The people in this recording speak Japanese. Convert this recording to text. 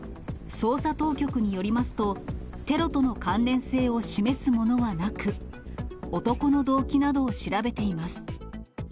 捜査当局によりますと、テロとの関連性を示すものはなく、男の動機などを調べています。